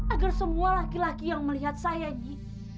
agar semua laki laki yang melihat saya ini